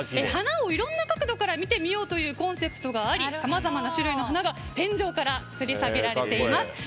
花をいろんな角度から見てみようというコンセプトがありさまざまな種類の花が天井からつり下げられています。